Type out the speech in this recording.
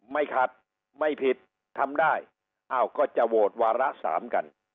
ไม่ขัดไม่ผิดทำได้อ้าวก็จะโหวตวาระสามกัน